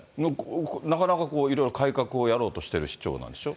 なかなかいろいろ改革をやろうとしている市長なんでしょう？